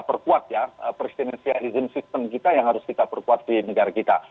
perkuat ya presidensialism sistem kita yang harus kita perkuat di negara kita